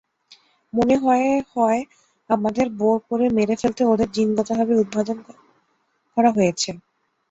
মনে হয়ে হয় আমাদের বোর করে মেরে ফেলতে ওদের জিনগতভাবে উদ্ভাবন করা হয়েছে।